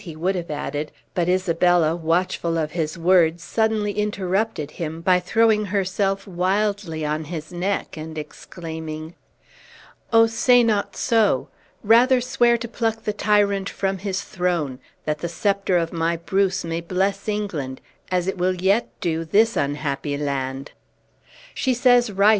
he would have added; but Isabella, watchful of his words, suddenly interrupted him, by throwing herself wildly on his neck, and exclaiming: "Oh, say not so! Rather swear to pluck the tyrant from his throne; that the scepter of my Bruce may bless England, as it will yet do this unhappy land!" "She says right!"